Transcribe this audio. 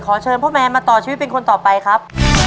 เชิญพ่อแมนมาต่อชีวิตเป็นคนต่อไปครับ